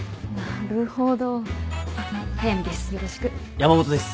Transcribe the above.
山本です。